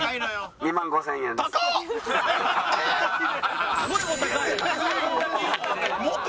２万５０００円なんか。